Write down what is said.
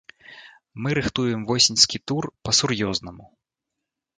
Мы рыхтуем восеньскі тур, па-сур'ёзнаму.